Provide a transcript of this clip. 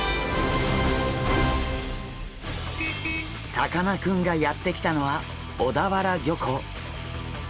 さかなクンがやって来たのは小田原漁港。